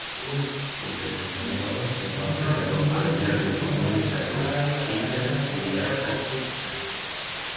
Urtebete beranduago, Hegoafrikako Alderdi Komunistako kide bilakatu zen.